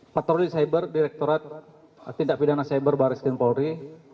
patroli cyber direktorat tindak pidana cyber baris genpolri